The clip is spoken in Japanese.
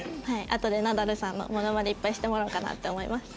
あとでナダルさんのモノマネいっぱいしてもらおうかなって思います。